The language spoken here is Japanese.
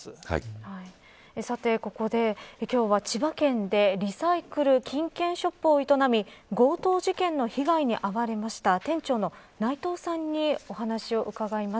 さて、ここで今日は千葉県でリサイクル・金券ショップを営み強盗事件の被害に遭われました店長の内藤さんにお話を伺います。